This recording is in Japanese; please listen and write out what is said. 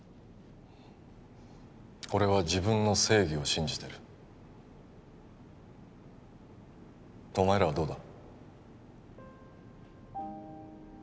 俺は自分の正義を信じてるお前らはどうだ？